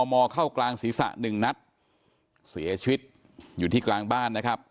มอเข้ากลางศีรษะหนึ่งนัดเสียชีวิตอยู่ที่กลางบ้านนะครับ